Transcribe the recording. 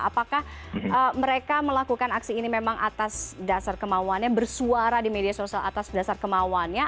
apakah mereka melakukan aksi ini memang atas dasar kemauannya bersuara di media sosial atas dasar kemauannya